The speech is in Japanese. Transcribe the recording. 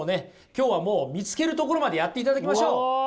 今日はもう見つけるところまでやっていただきましょう。